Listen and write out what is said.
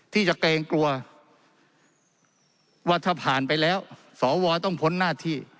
ที่จะเกรงกลัวว่าถ้าผ่านไปแล้วสวต้องพ้นหน้าที่